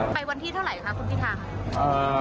วันที่เท่าไหร่คะคุณพิธาค่ะ